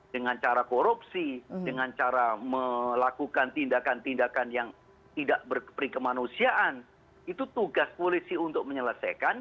dengan cara korupsi dengan cara melakukan tindakan tindakan yang tidak berkemanusiaan itu tugas polisi untuk menyelesaikan